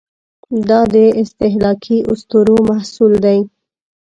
دا د استهلاکي اسطورو محصول دی.